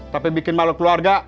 tapi bikin malu keluarga